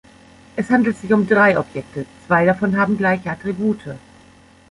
Es handelt sich um drei Objekte; zwei davon haben gleiche Attribute.